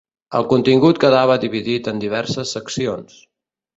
El contingut quedava dividit en diverses seccions.